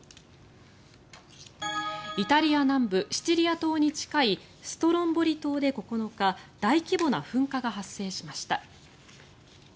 イタリア南部、シチリア島に近いストロンボリ島で９日大規模な噴火が発生しました。